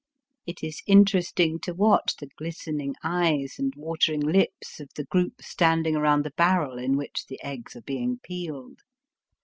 It is interesting to watch the ghsten ing eyes and watering Hps of the group stand ing around the barrel in which the eggs are being peeled.